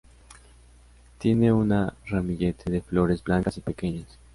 Tiene un ramillete de flores blancas y pequeñas.